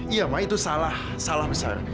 iya ma itu salah salah besar